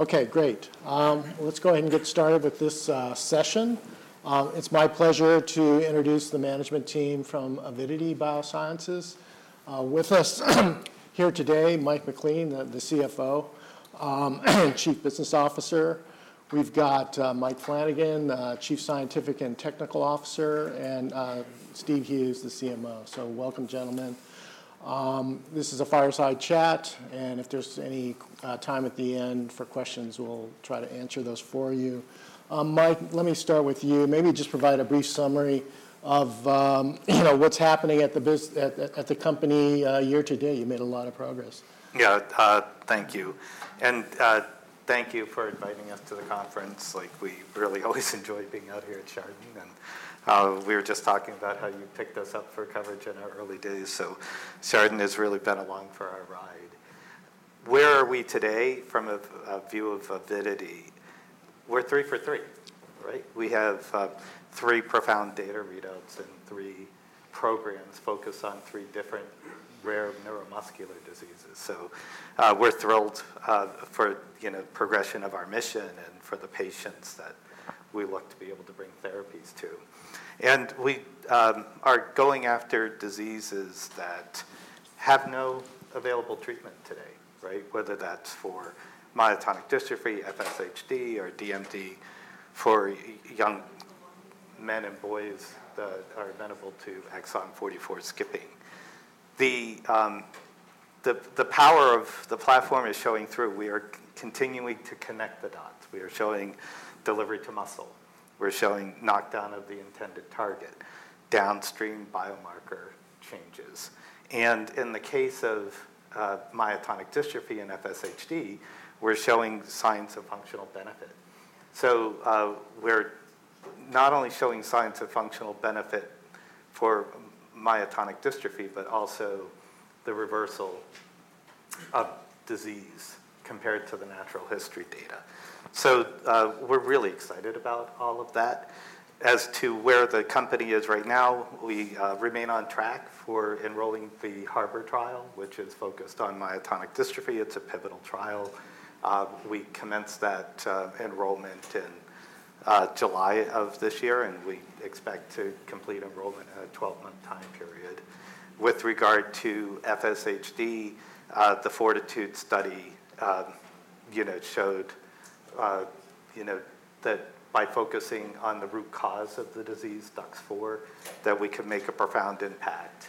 Okay, great. Let's go ahead and get started with this session. It's my pleasure to introduce the management team from Avidity Biosciences. With us here today, Michael MacLean, the CFO, Chief Business Officer. We've got Mike Flanagan, Chief Scientific and Technical Officer, and Steve Hughes, the CMO. So welcome, gentlemen. This is a fireside chat, and if there's any time at the end for questions, we'll try to answer those for you. Mike, let me start with you. Maybe just provide a brief summary of you know, what's happening at the company year to date. You made a lot of progress. Yeah, thank you. And, thank you for inviting us to the conference. Like, we really always enjoy being out here at Chardan, and, we were just talking about how you picked us up for coverage in our early days, so Chardan has really been along for our ride. Where are we today from a view of Avidity? We're three for three, right? We have, three profound data readouts and three programs focused on three different rare neuromuscular diseases. So, we're thrilled, for, you know, progression of our mission and for the patients that we look to be able to bring therapies to. And we, are going after diseases that have no available treatment today, right? Whether that's for myotonic dystrophy, FSHD, or DMD for young men and boys that are amenable to exon forty-four skipping. The power of the platform is showing through. We are continuing to connect the dots. We are showing delivery to muscle. We're showing knockdown of the intended target, downstream biomarker changes. And in the case of myotonic dystrophy and FSHD, we're showing signs of functional benefit. So, we're not only showing signs of functional benefit for myotonic dystrophy, but also the reversal of disease compared to the natural history data. So, we're really excited about all of that. As to where the company is right now, we remain on track for enrolling the HARBOR trial, which is focused on myotonic dystrophy. It's a pivotal trial. We commenced that enrollment in July of this year, and we expect to complete enrollment in a twelve-month time period. With regard to FSHD, the FORTITUDE study, you know, showed, you know, that by focusing on the root cause of the disease, DUX4, that we can make a profound impact,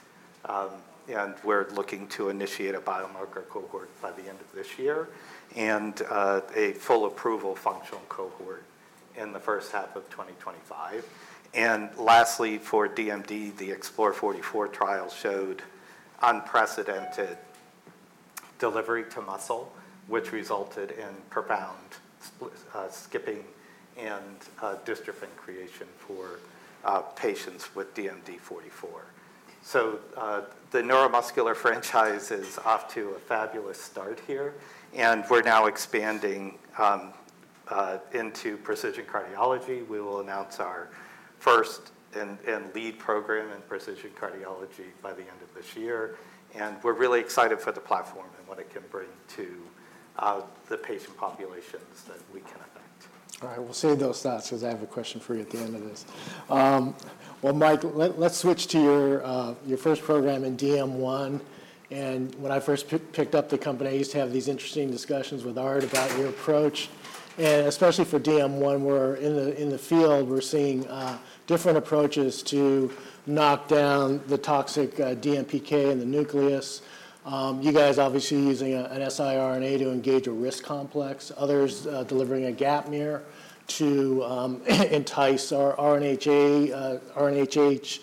and we're looking to initiate a biomarker cohort by the end of this year, and a full approval functional cohort in the first half of 2025. Lastly, for DMD, the EXPLORER 44 trial showed unprecedented delivery to muscle, which resulted in profound skipping and dystrophin creation for patients with DMD 44. The neuromuscular franchise is off to a fabulous start here, and we're now expanding into precision cardiology. We will announce our first and lead program in precision cardiology by the end of this year, and we're really excited for the platform and what it can bring to the patient populations that we can affect. All right, we'll save those thoughts because I have a question for you at the end of this. Well, Mike, let's switch to your first program in DM1. And when I first picked up the company, I used to have these interesting discussions with Art about your approach. And especially for DM1, we're in the field, we're seeing different approaches to knock down the toxic DMPK in the nucleus. You guys obviously using an siRNA to engage a RISC complex, others delivering a gapmer to induce RNase H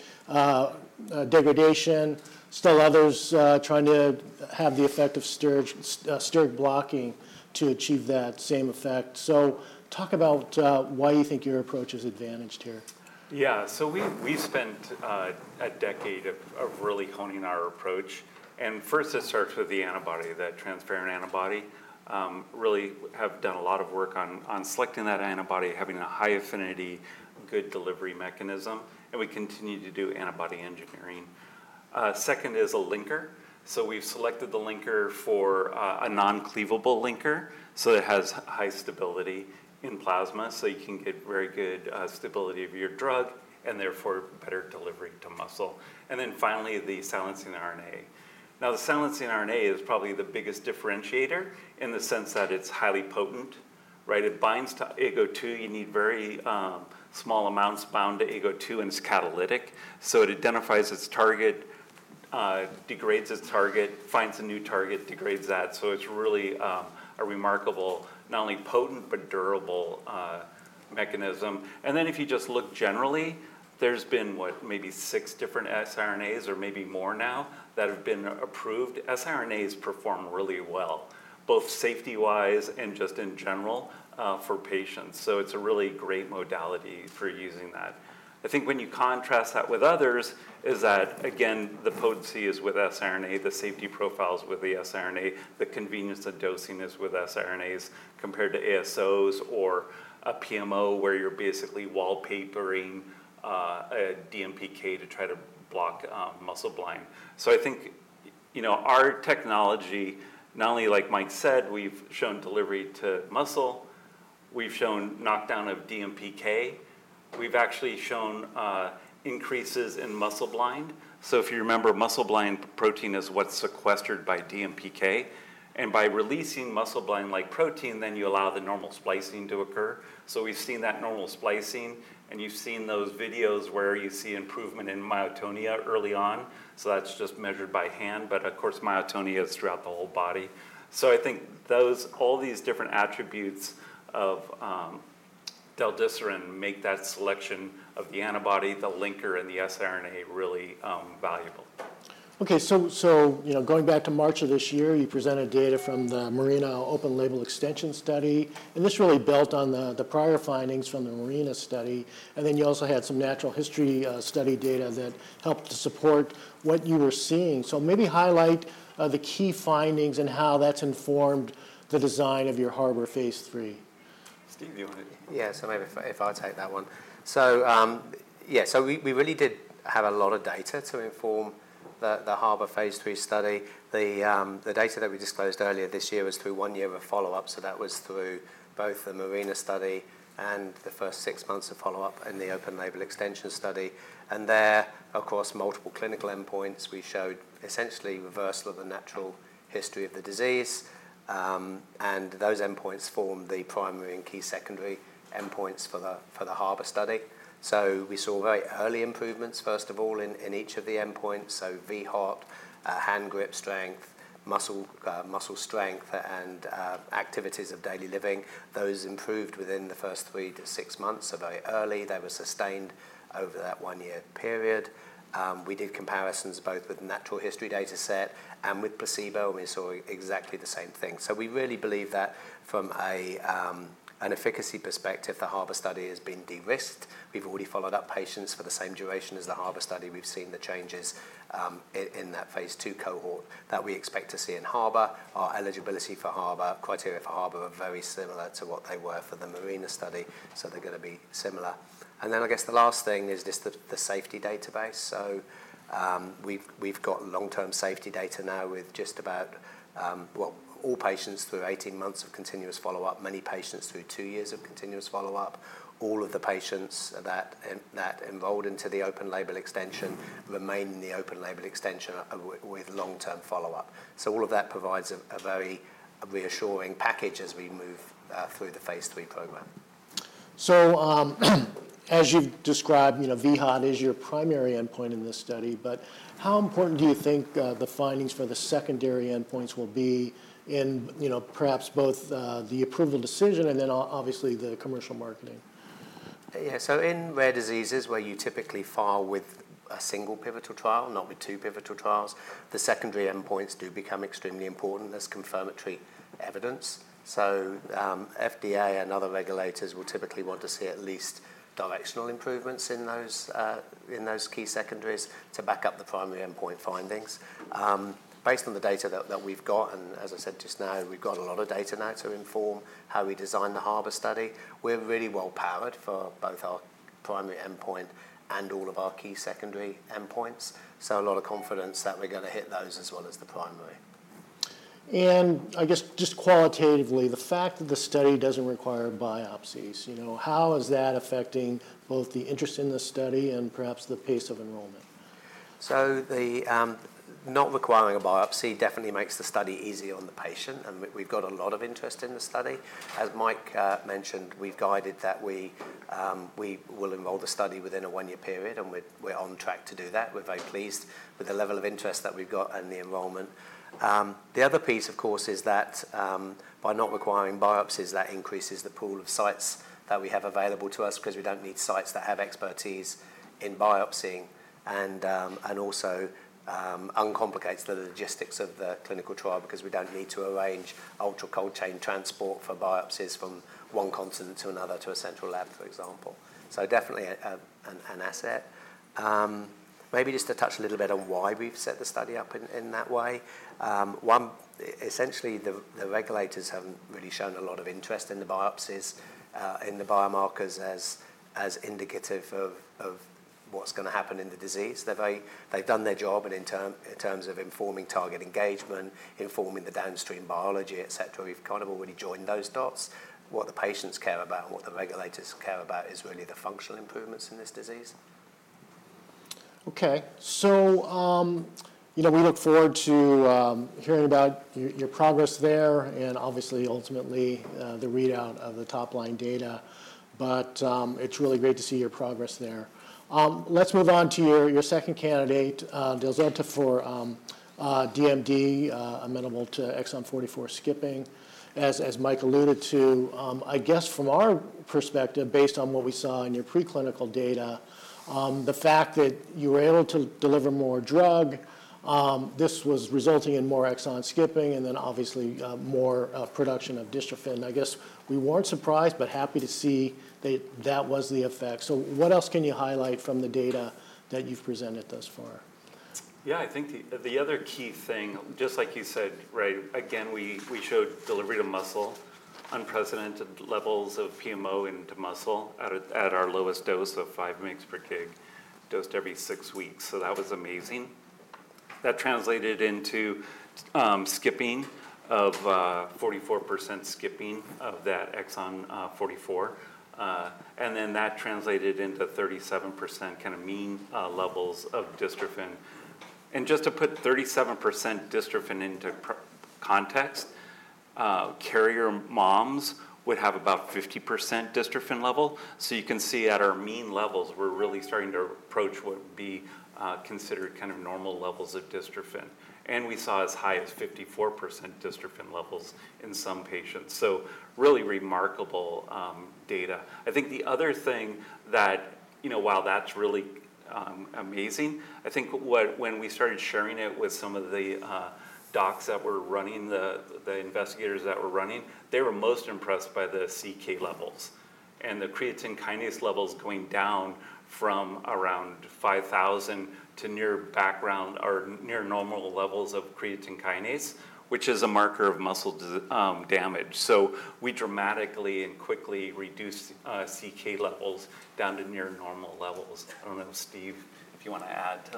degradation, still others trying to have the effect of steric blocking to achieve that same effect. So talk about why you think your approach is advantaged here. Yeah. So we spent a decade of really honing our approach, and first, it starts with the antibody, that transferrin antibody. Really have done a lot of work on selecting that antibody, having a high-affinity, good delivery mechanism, and we continue to do antibody engineering. Second is a linker. So we've selected the linker for a non-cleavable linker, so it has high stability in plasma, so you can get very good stability of your drug and therefore better delivery to muscle. And then finally, the silencing RNA. Now, the silencing RNA is probably the biggest differentiator in the sense that it's highly potent, right? It binds to AGO2. You need very small amounts bound to AGO2, and it's catalytic, so it identifies its target, degrades its target, finds a new target, degrades that. So it's really a remarkable, not only potent, but durable, mechanism. And then, if you just look generally, there's been, what, maybe six different siRNAs or maybe more now that have been approved. siRNAs perform really well, both safety-wise and just in general, for patients, so it's a really great modality for using that. I think when you contrast that with others, is that, again, the potency is with siRNA, the safety profile is with the siRNA, the convenience of dosing is with siRNAs, compared to ASOs or a PMO, where you're basically wallpapering a DMPK to try to block muscleblind. So I think, you know, our technology, not only like Mike said, we've shown delivery to muscle, we've shown knockdown of DMPK. We've actually shown increases in muscleblind. So if you remember, Muscleblind protein is what's sequestered by DMPK, and by releasing Muscleblind-like protein, then you allow the normal splicing to occur. So we've seen that normal splicing, and you've seen those videos where you see improvement in myotonia early on, so that's just measured by hand, but of course, myotonia is throughout the whole body. So I think those, all these different attributes of del-desiran make that selection of the antibody, the linker, and the siRNA really valuable. Okay, so, you know, going back to March of this year, you presented data from the MARINA open-label extension study, and this really built on the prior findings from the MARINA study. Then you also had some natural history study data that helped to support what you were seeing. So maybe highlight the key findings and how that's informed the design of your HARBOR phase lll. Steve, do you want it? Yeah, so maybe if I take that one. So, yeah, so we really did have a lot of data to inform the HARBOR phase lll study. The data that we disclosed earlier this year was through one year of a follow-up, so that was through both the MARINA study and the first six months of follow-up in the open label extension study. And there, across multiple clinical endpoints, we showed essentially reversal of the natural history of the disease, and those endpoints formed the primary and key secondary endpoints for the HARBOR study. So we saw very early improvements, first of all, in each of the endpoints, so VHOT, hand grip strength, muscle strength, and activities of daily living. Those improved within the first three to six months, so very early. They were sustained over that one-year period. We did comparisons both with natural history data set and with placebo, and we saw exactly the same thing. So we really believe that from an efficacy perspective, the HARBOR study has been de-risked. We've already followed up patients for the same duration as the HARBOR study. We've seen the changes in that phase ll cohort that we expect to see in HARBOR. Our eligibility for HARBOR, criteria for HARBOR are very similar to what they were for the MARINA study, so they're gonna be similar. And then I guess the last thing is just the, the safety database. So, we've got long-term safety data now with just about, well, all patients through eighteen months of continuous follow-up, many patients through two years of continuous follow-up. All of the patients that enrolled into the open label extension remain in the open label extension with long-term follow-up. So all of that provides a very reassuring package as we move through the phase lll program. So, as you've described, you know, VHOT is your primary endpoint in this study, but how important do you think the findings for the secondary endpoints will be in, you know, perhaps both the approval decision and then obviously the commercial marketing? Yeah, so in rare diseases, where you typically file with a single pivotal trial, not with two pivotal trials, the secondary endpoints do become extremely important as confirmatory evidence. So, FDA and other regulators will typically want to see at least directional improvements in those, in those key secondaries to back up the primary endpoint findings. Based on the data that we've got, and as I said just now, we've got a lot of data now to inform how we design the HARBOR study. We're really well-powered for both our primary endpoint and all of our key secondary endpoints, so a lot of confidence that we're gonna hit those as well as the primary. I guess just qualitatively, the fact that the study doesn't require biopsies, you know, how is that affecting both the interest in the study and perhaps the pace of enrollment? So, the not requiring a biopsy definitely makes the study easier on the patient, and we've got a lot of interest in the study. As Mike mentioned, we've guided that we will enroll the study within a one-year period, and we're on track to do that. We're very pleased with the level of interest that we've got and the enrollment. The other piece, of course, is that by not requiring biopsies, that increases the pool of sites that we have available to us because we don't need sites that have expertise in biopsying and also uncomplicates the logistics of the clinical trial because we don't need to arrange ultra cold chain transport for biopsies from one continent to another to a central lab, for example. So definitely an asset. Maybe just to touch a little bit on why we've set the study up in that way. One, essentially, the regulators haven't really shown a lot of interest in the biopsies in the biomarkers as indicative of what's gonna happen in the disease. They've done their job in terms of informing target engagement, informing the downstream biology, et cetera. We've kind of already joined those dots. What the patients care about and what the regulators care about is really the functional improvements in this disease. Okay. So, you know, we look forward to hearing about your progress there and obviously, ultimately, the readout of the top-line data. But, it's really great to see your progress there. Let's move on to your second candidate, del-zota for DMD amenable to exon 44 skipping. As Mike alluded to, I guess from our perspective, based on what we saw in your preclinical data, the fact that you were able to deliver more drug, this was resulting in more exon skipping, and then obviously, more production of dystrophin. I guess we weren't surprised, but happy to see that that was the effect. So what else can you highlight from the data that you've presented thus far? Yeah, I think the other key thing, just like you said, right, again, we showed delivery to muscle, unprecedented levels of PMO into muscle at our lowest dose of five mg per kg, dosed every six weeks. So that was amazing. That translated into skipping of 44% skipping of that exon 44. And then that translated into 37% kind of mean levels of dystrophin. And just to put 37% dystrophin into proper context, carrier moms would have about 50% dystrophin level. So you can see at our mean levels, we're really starting to approach what would be considered kind of normal levels of dystrophin, and we saw as high as 54% dystrophin levels in some patients. So really remarkable data. I think the other thing that you know, while that's really amazing, I think when we started sharing it with some of the docs that were running the investigators that were running, they were most impressed by the CK levels and the creatine kinase levels going down from around 5,000 to near background or near normal levels of creatine kinase, which is a marker of muscle damage. So we dramatically and quickly reduced CK levels down to near normal levels. I don't know, Steve, if you want to add to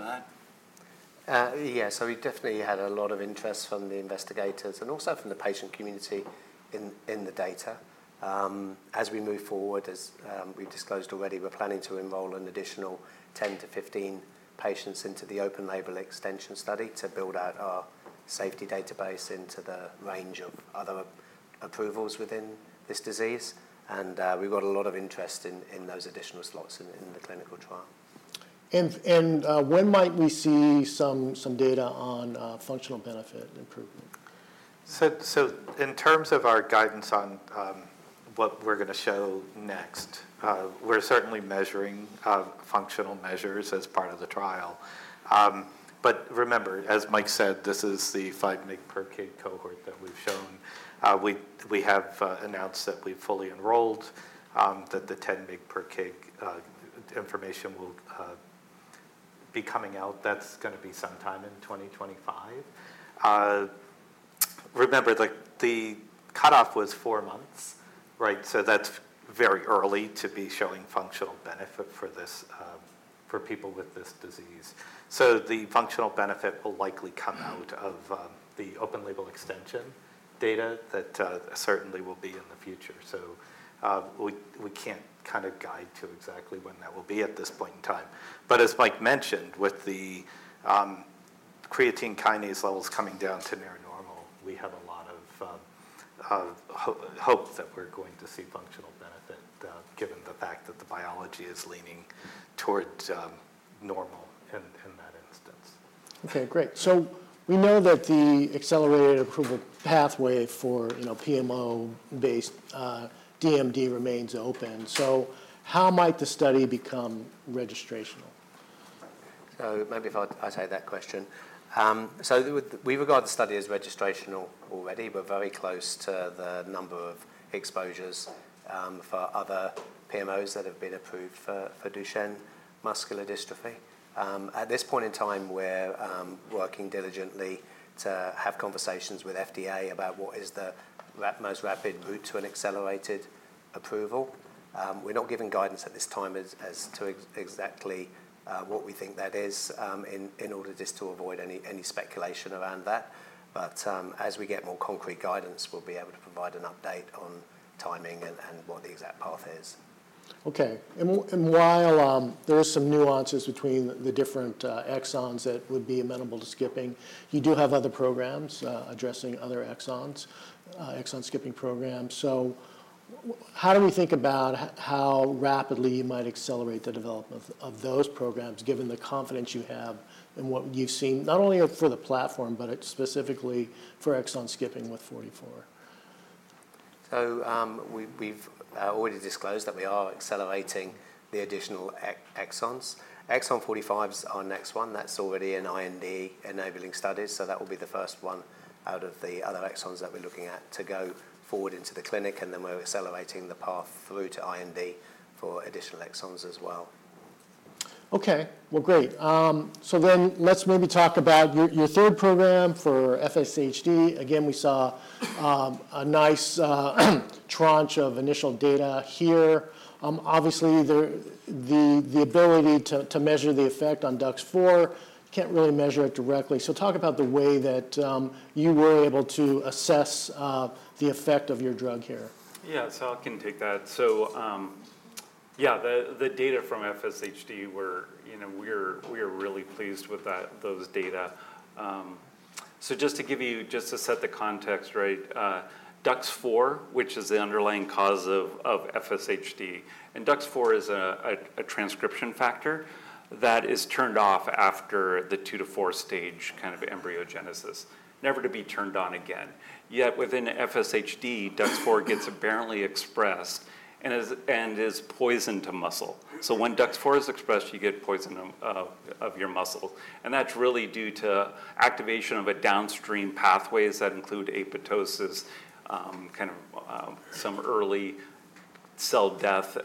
that? Yeah, so we definitely had a lot of interest from the investigators and also from the patient community in the data. As we move forward, we've disclosed already, we're planning to enroll an additional 10-15 patients into the open-label extension study to build out our safety database into the range of other approvals within this disease, and we've got a lot of interest in those additional slots in the clinical trial. When might we see some data on functional benefit improvement? So, in terms of our guidance on what we're going to show next, we're certainly measuring functional measures as part of the trial. But remember, as Mike said, this is the five mg per kg cohort that we've shown. We have announced that we've fully enrolled, that the 10 mg per kg information will be coming out. That's going to be sometime in 2025. Remember, like, the cutoff was four months, right? So that's very early to be showing functional benefit for this for people with this disease. So the functional benefit will likely come out of the open-label extension data that certainly will be in the future. So we can't kind of guide to exactly when that will be at this point in time. But as Mike mentioned, with the creatine kinase levels coming down to near normal, we have a lot of hope that we're going to see functional benefit, given the fact that the biology is leaning towards normal in that instance. Okay, great. So we know that the accelerated approval pathway for, you know, PMO-based DMD remains open. So how might the study become registrational? So maybe if I take that question. So we regard the study as registrational already. We're very close to the number of exposures for other PMOs that have been approved for Duchenne muscular dystrophy. At this point in time, we're working diligently to have conversations with FDA about what is the most rapid route to an accelerated approval. We're not giving guidance at this time as to exactly what we think that is, in order just to avoid any speculation around that. But, as we get more concrete guidance, we'll be able to provide an update on timing and what the exact path is. Okay. And while there are some nuances between the different exons that would be amenable to skipping, you do have other programs addressing other exons, exon-skipping programs. So how do we think about how rapidly you might accelerate the development of those programs, given the confidence you have in what you've seen, not only for the platform, but specifically for exon skipping with forty-four? We've already disclosed that we are accelerating the additional exons. Exon 45 is our next one. That's already in IND-enabling studies, so that will be the first one out of the other exons that we're looking at to go forward into the clinic, and then we're accelerating the path through to IND for additional exons as well. Okay, well, great. So then let's maybe talk about your third program for FSHD. Again, we saw a nice tranche of initial data here. Obviously, the ability to measure the effect on DUX4 can't really measure it directly. So talk about the way that you were able to assess the effect of your drug here. Yeah. So I can take that. So, yeah, the data from FSHD were. You know, we're really pleased with that, those data. So just to give you, just to set the context right, DUX4, which is the underlying cause of FSHD, and DUX4 is a transcription factor that is turned off after the two to four stage kind of embryogenesis, never to be turned on again. Yet within FSHD, DUX4 gets apparently expressed and is poison to muscle. So when DUX4 is expressed, you get poison of your muscle, and that's really due to activation of a downstream pathways that include apoptosis, kind of, some early cell death,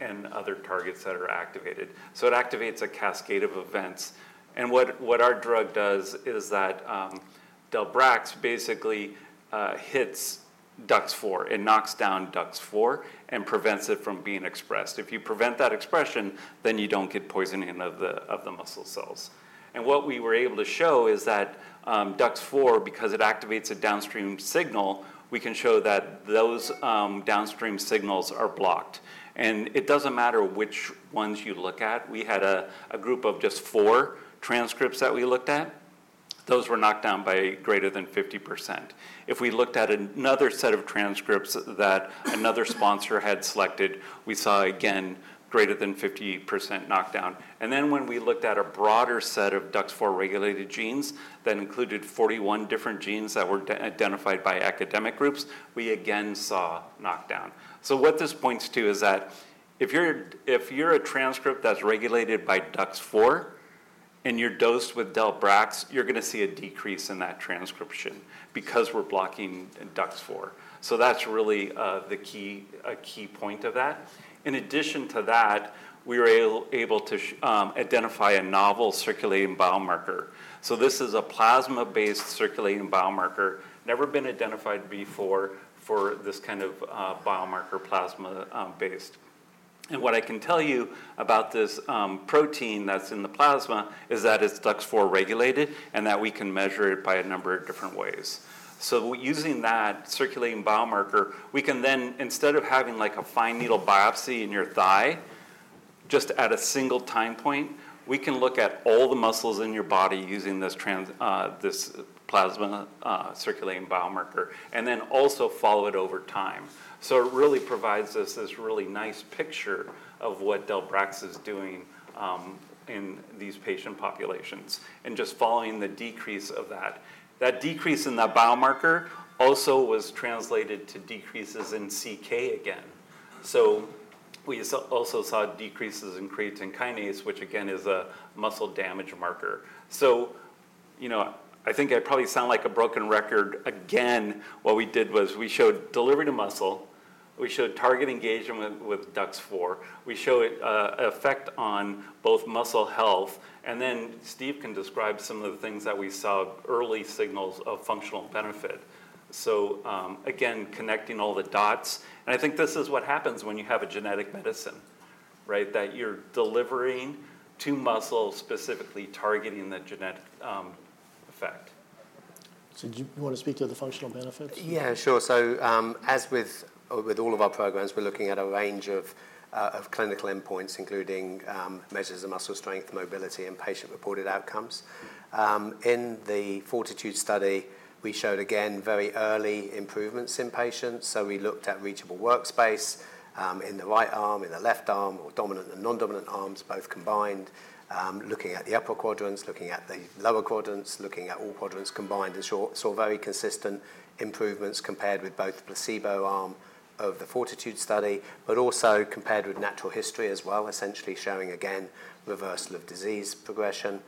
and other targets that are activated. So it activates a cascade of events. And what our drug does is that, del-brax basically hits DUX4. It knocks down DUX4 and prevents it from being expressed. If you prevent that expression, then you don't get poisoning of the muscle cells. And what we were able to show is that DUX4, because it activates a downstream signal, we can show that those downstream signals are blocked. And it doesn't matter which ones you look at. We had a group of just four transcripts that we looked at. Those were knocked down by greater than 50%. If we looked at another set of transcripts that another sponsor had selected, we saw, again, greater than 50% knockdown. And then, when we looked at a broader set of DUX4-regulated genes that included 41 different genes that were de-identified by academic groups, we again saw knockdown. So what this points to is that if you're a transcript that's regulated by DUX4, and you're dosed with del-brax, you're going to see a decrease in that transcription because we're blocking DUX4. So that's really the key, a key point of that. In addition to that, we were able to identify a novel circulating biomarker. So this is a plasma-based circulating biomarker, never been identified before for this kind of biomarker plasma-based. And what I can tell you about this protein that's in the plasma is that it's DUX4 regulated, and that we can measure it by a number of different ways. So using that circulating biomarker, we can then, instead of having, like, a fine needle biopsy in your thigh, just at a single time point, we can look at all the muscles in your body using this plasma circulating biomarker, and then also follow it over time. So it really provides us this really nice picture of what del-brax is doing, in these patient populations, and just following the decrease of that. That decrease in that biomarker also was translated to decreases in CK again. So we also saw decreases in creatine kinase, which again is a muscle damage marker. So, you know, I think I probably sound like a broken record again. What we did was we showed delivery to muscle, we showed target engagement with DUX4, we show it effect on both muscle health, and then Steve can describe some of the things that we saw early signals of functional benefit. So, again, connecting all the dots, and I think this is what happens when you have a genetic medicine, right? That you're delivering to muscle, specifically targeting the genetic effect. So do you want to speak to the functional benefits? Yeah, sure. So, as with all of our programs, we're looking at a range of clinical endpoints, including measures of muscle strength, mobility, and patient-reported outcomes. In the FORTITUDE study, we showed again very early improvements in patients, so we looked at reachable workspace in the right arm, in the left arm, or dominant and non-dominant arms, both combined, looking at the upper quadrants, looking at the lower quadrants, looking at all quadrants combined, and saw very consistent improvements compared with both the placebo arm of the FORTITUDE study, but also compared with natural history as well, essentially showing again reversal of disease progression,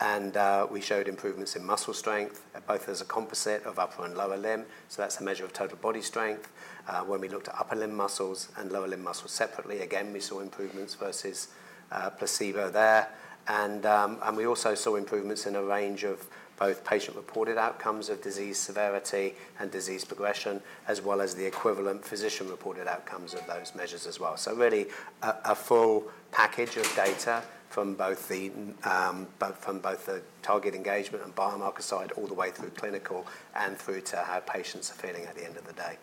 and we showed improvements in muscle strength, both as a composite of upper and lower limb, so that's a measure of total body strength. When we looked at upper limb muscles and lower limb muscles separately, again, we saw improvements versus placebo there, and we also saw improvements in a range of both patient-reported outcomes of disease severity and disease progression, as well as the equivalent physician-reported outcomes of those measures as well, so really, a full package of data from both the target engagement and biomarker side, all the way through clinical and through to how patients are feeling at the end of the day,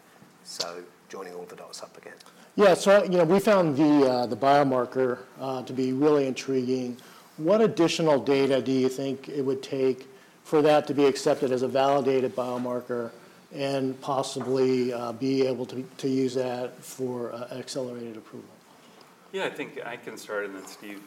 so joining all the dots up again. Yeah. So, you know, we found the biomarker to be really intriguing. What additional data do you think it would take for that to be accepted as a validated biomarker and possibly be able to use that for an accelerated approval? Yeah, I think I can start and then Steve.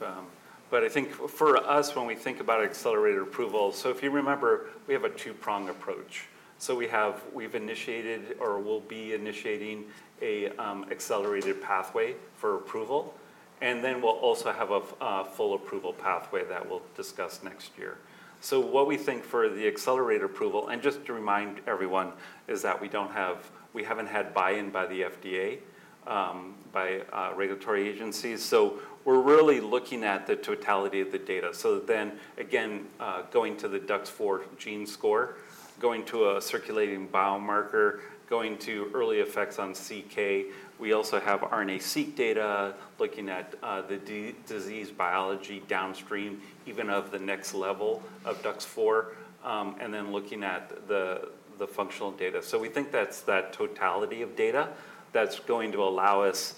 But I think for us, when we think about accelerated approval, so if you remember, we have a two-prong approach. So we have, we've initiated or will be initiating a accelerated pathway for approval, and then we'll also have a full approval pathway that we'll discuss next year. So what we think for the accelerated approval, and just to remind everyone, is that we don't have, we haven't had buy-in by the FDA, by regulatory agencies, so we're really looking at the totality of the data. So then, again, going to the DUX4 gene score, going to a circulating biomarker, going to early effects on CK. We also have RNAseq data, looking at the disease biology downstream, even of the next level of DUX4, and then looking at the functional data. So we think that's the totality of data that's going to allow us,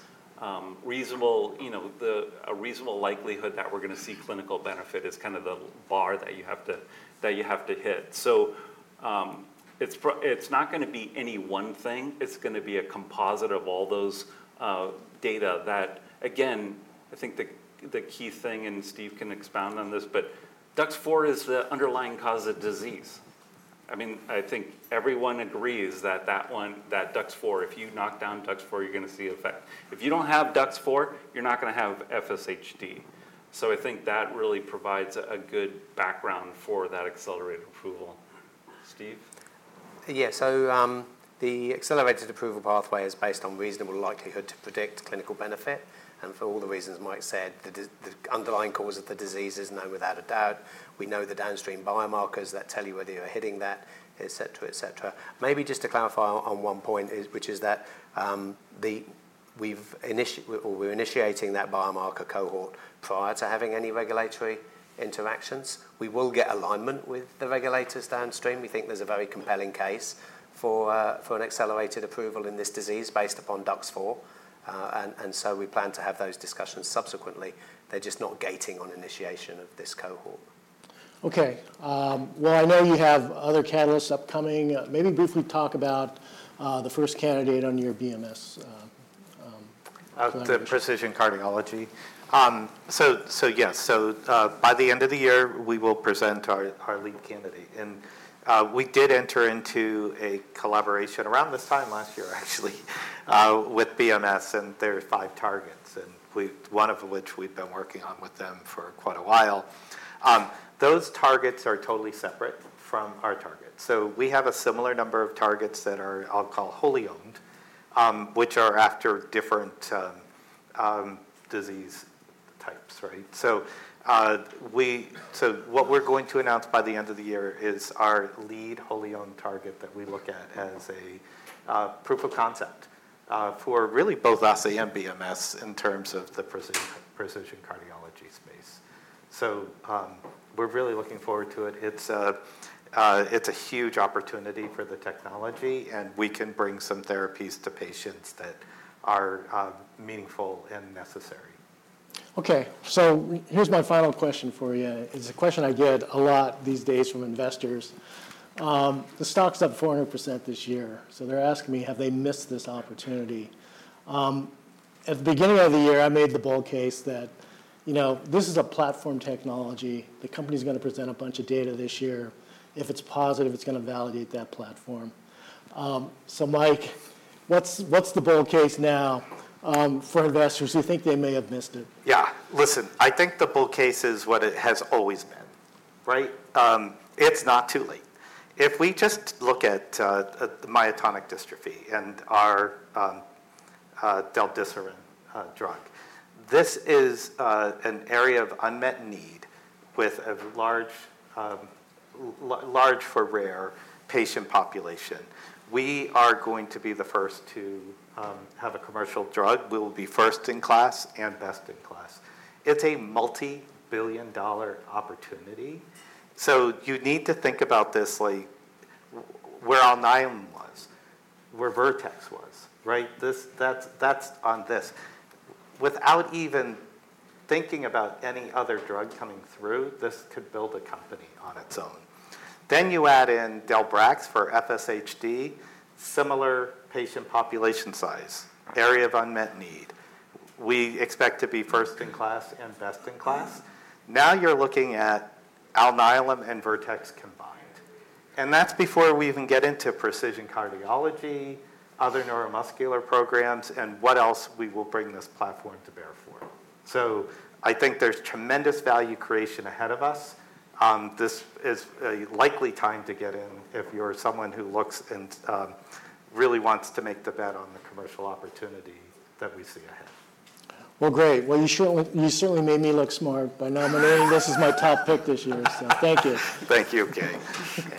reasonable, you know, a reasonable likelihood that we're going to see clinical benefit is kind of the bar that you have to hit. So it's not gonna be any one thing. It's gonna be a composite of all those data that, again, I think the key thing, and Steve can expound on this, but DUX4 is the underlying cause of disease. I mean, I think everyone agrees that DUX4, if you knock down DUX4, you're gonna see effect. If you don't have DUX4, you're not gonna have FSHD. So I think that really provides a good background for that accelerated approval.... Steve? Yeah, so, the accelerated approval pathway is based on reasonable likelihood to predict clinical benefit, and for all the reasons Mike said, the underlying cause of the disease is known without a doubt. We know the downstream biomarkers that tell you whether you're hitting that, et cetera, et cetera. Maybe just to clarify on one point is, which is that, we're initiating that biomarker cohort prior to having any regulatory interactions. We will get alignment with the regulators downstream. We think there's a very compelling case for an accelerated approval in this disease based upon DUX4. And so we plan to have those discussions subsequently. They're just not gating on initiation of this cohort. Okay, well, I know you have other catalysts upcoming. Maybe briefly talk about the first candidate on your BMS. The precision cardiology. So yes, by the end of the year, we will present our lead candidate. And we did enter into a collaboration around this time last year, actually, with BMS, and there are five targets, one of which we've been working on with them for quite a while. Those targets are totally separate from our targets. So we have a similar number of targets that are, I'll call wholly owned, which are after different disease types, right? So what we're going to announce by the end of the year is our lead wholly owned target that we look at as a proof of concept for really both AOC and BMS in terms of the precision cardiology space. So we're really looking forward to it. It's a, it's a huge opportunity for the technology, and we can bring some therapies to patients that are meaningful and necessary. Okay, so here's my final question for you. It's a question I get a lot these days from investors. The stock's up 400% this year, so they're asking me, have they missed this opportunity? At the beginning of the year, I made the bold case that, you know, this is a platform technology. The company's gonna present a bunch of data this year. If it's positive, it's gonna validate that platform. So Mike, what's the bold case now, for investors who think they may have missed it? Yeah. Listen, I think the bold case is what it has always been, right? It's not too late. If we just look at myotonic dystrophy and our del-desiran drug, this is an area of unmet need with a large for rare patient population. We are going to be the first to have a commercial drug. We will be first in class and best in class. It's a multi-billion-dollar opportunity, so you need to think about this like where Alnylam was, where Vertex was, right? That's on this. Without even thinking about any other drug coming through, this could build a company on its own. Then you add in del-brax for FSHD, similar patient population size, area of unmet need. We expect to be first in class and best in class. Now you're looking at Alnylam and Vertex combined, and that's before we even get into precision cardiology, other neuromuscular programs, and what else we will bring this platform to bear for. So I think there's tremendous value creation ahead of us. This is a likely time to get in if you're someone who looks and, really wants to make the bet on the commercial opportunity that we see ahead. Great. You certainly made me look smart by nominating this as my top pick this year, so thank you. Thank you, Gang.